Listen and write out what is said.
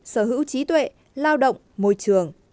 sở hữu trí tuệ lao động môi trường